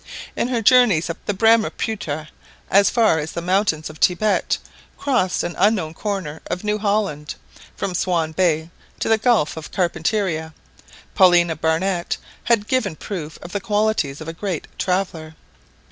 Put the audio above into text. In her journeys up the Brahmaputra, as far as the mountains of Thibet, across an unknown corner of New Holland, from Swan Bay to the Gulf of Carpentaria, Paulina Barnett had given proof of the qualities of a great traveller.